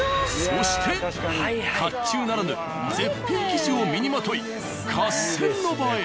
そして甲冑ならぬ絶品生地を身にまとい合戦の場へ。